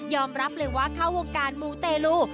รับเลยว่าเข้าวงการมูเตลู